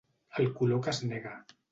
El color que es nega.